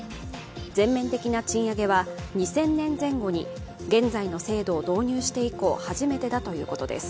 全面的な賃上げは２０００年前後に現在の制度を導入して以降、初めてだということです。